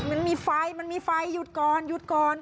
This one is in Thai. มันมีไฟมันมีไฟหยุดก่อนหยุดก่อน